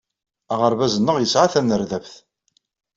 Aɣerbaz-nneɣ yesɛa tanerdabt.